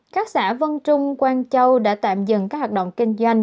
các xã vân trung quang châu đã tạm dừng các hoạt động kinh doanh